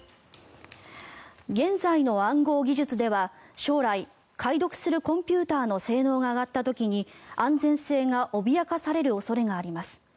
現在の暗号技術では将来、解読するコンピューターの性能が上がった時に安全性が脅かされる恐れがあります。